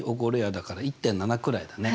だから１．７くらいだね。